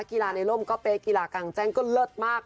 กีฬาในร่มก็เป๊ะกีฬากลางแจ้งก็เลิศมาก